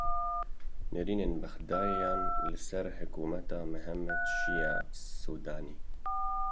Nêrînên Bexdayiyan li ser hikûmeta Mihemed Şiya Sûdanî.